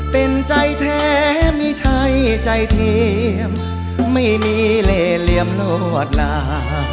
เป็นใจแท้ไม่ใช่ใจเทียมไม่มีเหล่เหลี่ยมลวดหนา